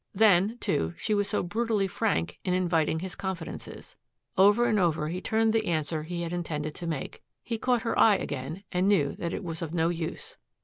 Then, too, she was so brutally frank in inviting his confidences. Over and over he turned the answer he had intended to make. He caught her eye again and knew that it was of no use.